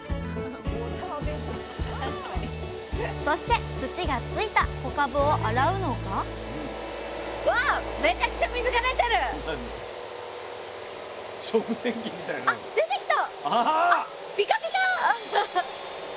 そして土がついた小かぶを洗うのがあ出てきた。